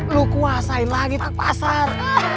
lu kuasain lagi pasar